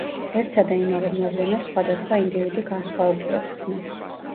ერთსა და იმავე მოვლენას სხვადასხვა ინდივიდი განსხვავებულად ხსნის.